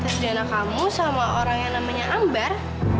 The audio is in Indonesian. tes dna kamu sama orang yang namanya ambar